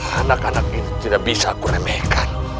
anak anak ini tidak bisa aku remehkan